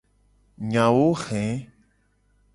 Nyawo he.